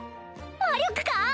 魔力か？